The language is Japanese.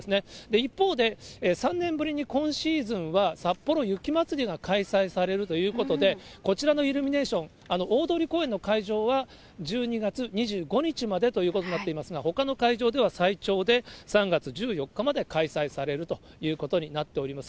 一方で、３年ぶりに今シーズンは、札幌雪祭りが開催されるということで、こちらのイルミネーション、大通公園の会場は１２月２５日までということになっていますが、ほかの会場では最長で３月１４日まで開催されるということになっております。